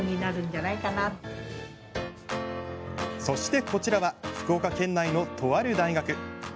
そして、こちらは福岡県内のとある大学。